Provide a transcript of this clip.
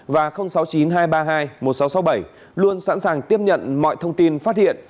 và sáu mươi chín hai trăm ba mươi hai một nghìn sáu trăm sáu mươi bảy luôn sẵn sàng tiếp nhận mọi thông tin phát hiện